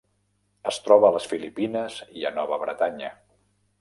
Es troba a les Filipines i a Nova Bretanya.